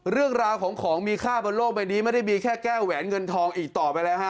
เรื่องราวของของมีค่าบนโลกใบนี้ไม่ได้มีแค่แก้แหวนเงินทองอีกต่อไปแล้วฮะ